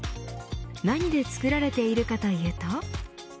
何で作られているかというと。